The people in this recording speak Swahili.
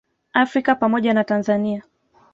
Afrika pamoja na Tanzania